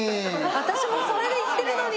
私もそれできてるのに。